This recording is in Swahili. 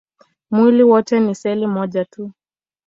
Mwili wote ni seli moja tu.